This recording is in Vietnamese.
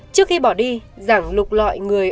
trước khi bỏ đi giảng lục loại người